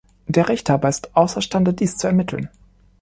Der Richter aber ist außerstande, dies zu ermitteln.